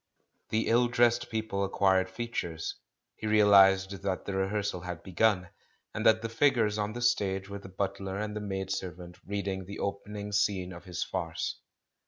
The ill dressed people acquired features; he realised that the rehearsal had begun, and that the figures on the stage were the butler and the maid servant reading the opening scene of his farce.